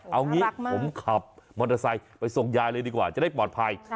เอางี้ผมขับมอเตอร์ไซค์ไปส่งยายเลยดีกว่าจะได้ปลอดภัย